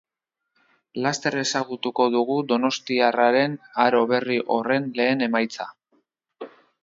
Laster ezagutuko dugu donostiarraren aro berri horren lehen emaitza.